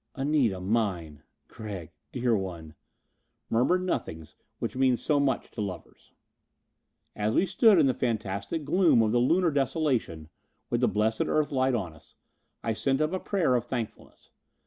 "Anita, mine." "Gregg, dear one." Murmured nothings which mean so much to lovers! As we stood in the fantastic gloom of the Lunar desolation, with the blessed Earth light on us, I sent up a prayer of thankfulness.